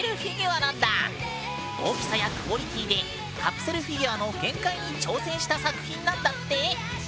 大きさやクオリティーでカプセルフィギュアの限界に挑戦した作品なんだって。